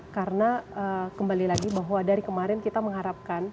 karena kembali lagi bahwa dari kemarin kita mengharapkan